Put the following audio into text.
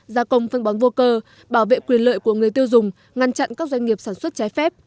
gia công phân bón vô cơ bảo vệ quyền lợi của người tiêu dùng ngăn chặn các doanh nghiệp sản xuất trái phép